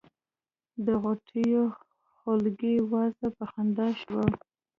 د غوټیو خولګۍ وازه په خندا شوه.